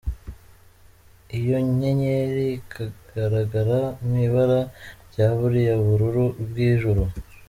iyo nyenyeri ikagaragara mw’ibara rya buriya bururu bw’ijuru.